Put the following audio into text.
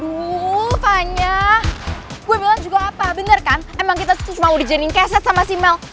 aduh fanya gue bilang juga apa bener kan emang kita cuma udah jaring keset sama si mel